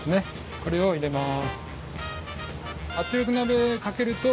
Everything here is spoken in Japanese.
これを入れます。